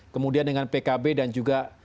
kemudian dengan pkb dan juga